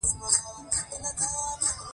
په دوی کې یو خړ او تور رنګ ته نژدې اس وو.